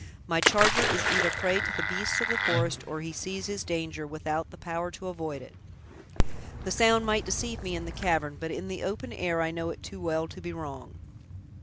My charger is either a prey to the beasts of the forest, or he sees his danger, without the power to avoid it. The sound might deceive me in the cavern, but in the open air I know it too well to be wrong."